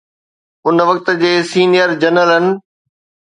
ان وقت جي سينيئر جنرلن.